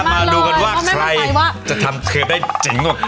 มาดูกันว่าใครจะทำเคลียร์ได้เจ๋งกว่ากัน